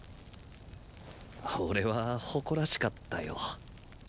俺は誇らしかったよ。